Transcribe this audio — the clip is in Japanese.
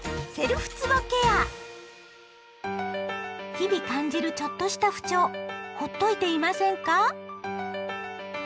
日々感じるちょっとした不調ほっといていませんか？